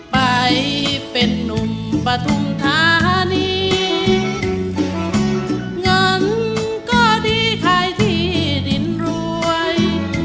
ไปเป็นนุ่มปฐุมธานีเงินก็ดีขายที่ดินรวย